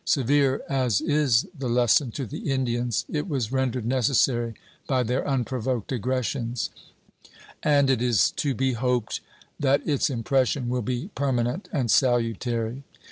Severe as is the lesson to the Indians, it was rendered necessary by their unprovoked aggressions, and it is to be hoped that its impression will be permanent and salutary.